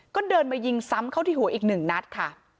ก็เดินมายิงซ้ำเข้าที่หัวอีกหนึ่งนัดค่ะ